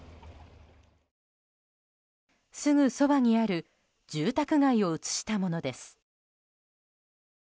すぐそばにある住宅街を映したものです。